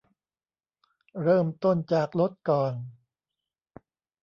เริ่มต้นจากลดก่อน